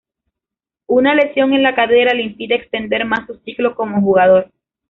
Una lesión en la cadera le impide extender más su ciclo como jugador.